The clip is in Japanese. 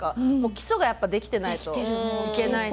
基礎がやっぱできてないといけないし。